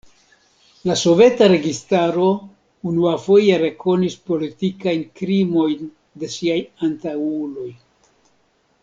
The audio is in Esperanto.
La soveta registaro unuafoje rekonis politikajn krimojn de siaj antaŭuloj.